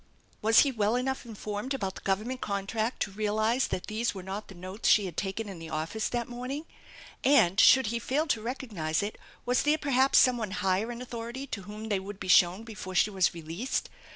Was he well enough informed about the Government con tract to realize that these were not the notes she had taken 378 THE ENCHANTED BARN in the office that morning? And should he fail to recog* nize it, was there perhaps some one higher in authority to whom they would be shown before she was released?